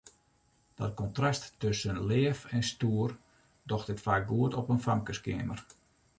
Dat kontrast tusken leaf en stoer docht it faak goed op in famkeskeamer.